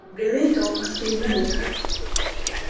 Jag bryr mig inte om att bli människa.